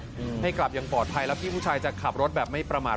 ให้กลับอย่างปลอดภัยแล้วพี่ผู้ชายจะขับรถแบบไม่ประมาท